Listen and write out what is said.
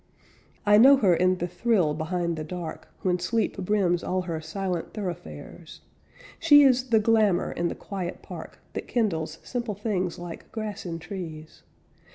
I know her in the thrill behind the dark When sleep brims all her silent thoroughfares. She is the glamor in the quiet park That kindles simple things like grass and trees.